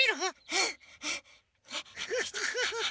フフフフフ。